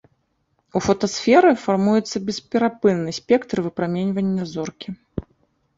У фотасферы фармуецца бесперапынны спектр выпраменьвання зоркі.